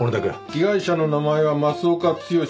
被害者の名前は増岡剛２８歳。